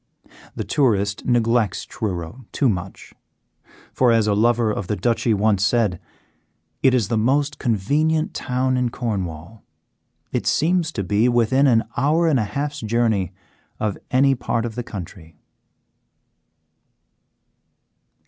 The tourist neglects Truro too much, for as a lover of the Duchy once said: "It is the most convenient town in Cornwall; it seems to be within an hour and a half's journey of any part of the county."